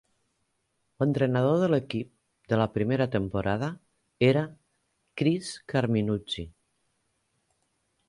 L'entrenador de l'equip de la primera temporada era Chris Carminucci.